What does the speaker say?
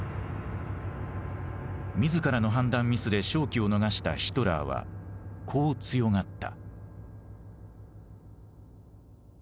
自らの判断ミスで勝機を逃したヒトラーはこう強がった。